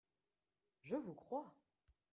Je vous crois.